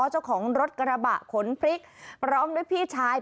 เจ้าของรถกระบะขนพริกพร้อมด้วยพี่ชาย